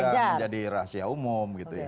ini kan sudah menjadi rahasia umum